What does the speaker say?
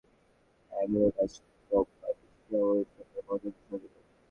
হঠাৎ করেই গতকাল সোমবার অ্যাংলো-ডাচ কোম্পানি শেল অনুসন্ধান বন্ধের ঘোষণা দিল।